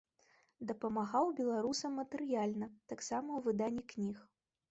Дапамагаў беларусам матэрыяльна, таксама ў выданні кніг.